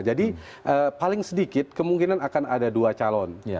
jadi paling sedikit kemungkinan akan ada dua calon